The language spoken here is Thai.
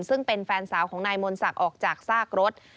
ซึ่งเป็นแฟนสาวของนายมนศักดิ์ออกจากซากรถ